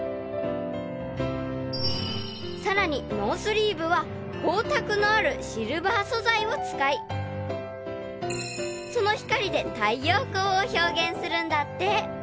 ［さらにノースリーブは光沢のあるシルバー素材を使いその光で太陽光を表現するんだって］